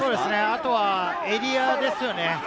あとはエリアですよね。